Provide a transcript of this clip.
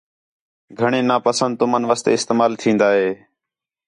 گھݨیں نا پسند تُمن واسطے استعمال تِھین٘دا ہے